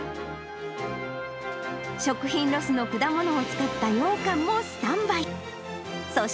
食品ロスの果物を使ったようかんもスタンバイ。